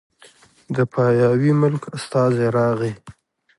د پاياوي ملک استازی راغی